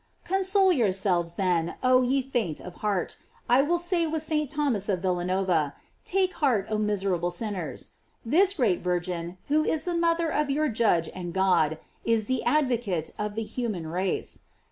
§ Console yourselves, then, oh ye faint of heart, I will say with St. Thomas of Villanova, tako heart, oh miserable sinners; this great Virgin, who is the mother of your judge and God, is the advocate of the human race.